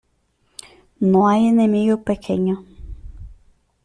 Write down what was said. No hay enemigo pequeño.